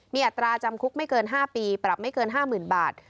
มีอัตราจำคุกไม่เกิน๕ปีปรับไม่เกิน๕๐๐๐บาท